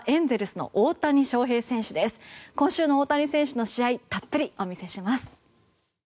今週の大谷翔平選手の試合たっぷり見せます。